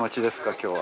今日は。